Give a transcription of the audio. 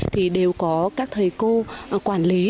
thì đều có các thầy cô quản lý